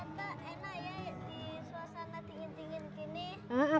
di suasana dingin dingin gini